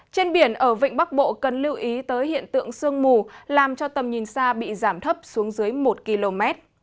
trên biển ở vịnh bắc bộ cần lưu ý tới hiện tượng sương mù làm cho tầm nhìn xa bị giảm thấp xuống dưới một km